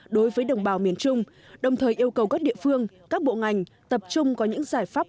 đối với đồng bào miền trung đồng thời yêu cầu các địa phương các bộ ngành tập trung có những giải pháp